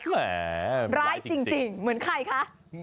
ร้ายจริงเหมือนใครคะ